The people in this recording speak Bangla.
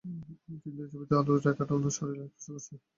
কিন্তু, এই ছবিতে আলোর রেখাটা উনার শরীর স্পর্শ করছে!